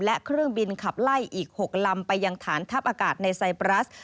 และเครื่องบินขับไล่อีก๖ลำไปยังฐานทัพอากาศในไซปรัส